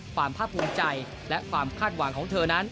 ภาพภูมิใจและความคาดหวังของเธอนั้น